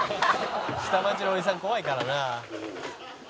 「下町のおじさん怖いからな」